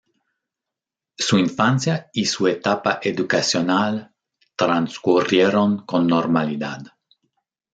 Su infancia y su etapa educacional transcurrieron con normalidad.